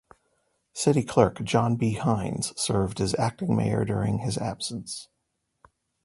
City Clerk John B. Hynes served as acting mayor during his absence.